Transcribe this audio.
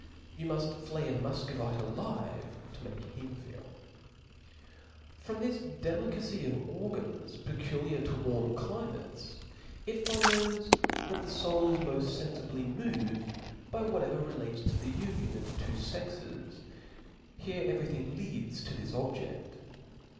You muft flay a Mufcovit^ alive to make him feel. From this delicacy of organs peculiar to warm climates, it follows that the foul is moll fenfibly moved 330 T H E S P I R I T ^xiv*^ moved by wlratever relatps to the union of the two Chap.2. fexes : here every thing leads to this objeft.